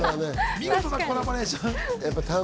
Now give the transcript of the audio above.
見事なコラボレーション。